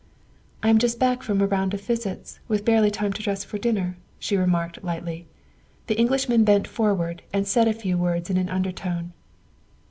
" I am just back from a round of visits, with barely time to dress for dinner," she remarked lightly. The Englishman bent forward and said a few words in an undertone.